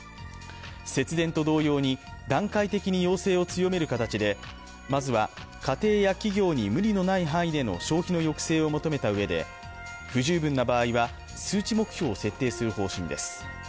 節電と同様に段階的に要請を強める形で、まずは家庭や企業に無理のない範囲での消費の抑制をもとめたうえで不十分な場合は数値目標を設定する方針です。